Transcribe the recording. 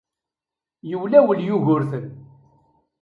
Yewlawel Yugurten.